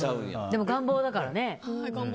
でも、願望だからね。